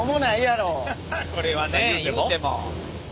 これはねいうても。